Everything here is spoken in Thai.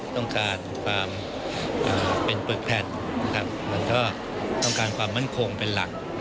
ต้องการความเป็นเปลือกแผ่นต้องการความมั่นคงเป็นหลัก